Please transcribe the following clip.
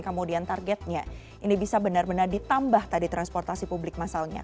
kemudian targetnya ini bisa benar benar ditambah tadi transportasi publik masalnya